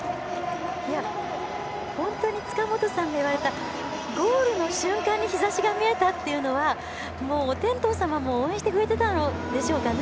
本当に塚本さんの言われたゴールの瞬間に日ざしが見えたっていうのはもうお天道様も応援してくれてたんでしょうかね。